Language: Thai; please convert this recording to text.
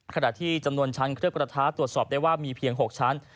ขณะที่จำนวนชั้นเครื่องประท้าตรวจสอบได้ว่ามีเพียง๖ชั้น